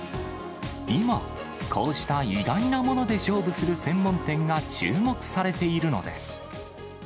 今、こうした意外なもので勝負する専門店が注目されているのです。